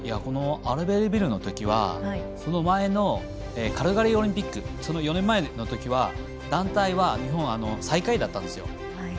アルベールビルのときはその前のカルガリーオリンピック４年前のときは団体は日本は最下位だったんですよ。